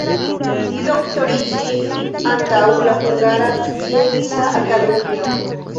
Li doktoriĝis antaŭ la Hungara Scienca Akademio.